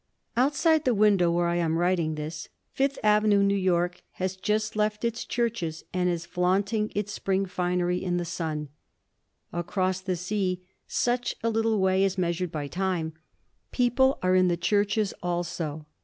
Outside the window where I am writing this, Fifth Avenue, New York, has just left its churches and is flaunting its spring finery in the sun. Across the sea, such a little way as measured by time, people are in the churches also.